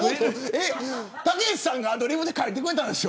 たけしさんがアドリブで書いてくれたんでしょ。